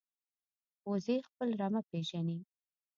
وزې خپل رمه پېژني